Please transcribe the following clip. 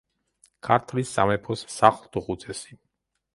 ქართლის სამეფოს სახლთუხუცესი.